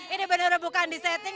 ini bener bener bukan di setting